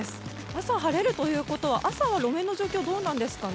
朝晴れるということは朝の路面の状況どうなんですかね。